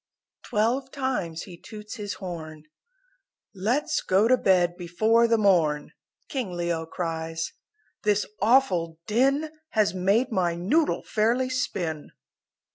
Twelve times he toots his horn "Let's go to bed before the morn," King Leo cries, "This awful din Has made my noodle fairly spin!"